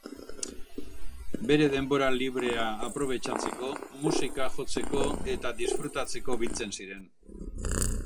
Bere denbora librea aprobetxatzeko musika jotzeko eta disfrutatzeko biltzen ziren.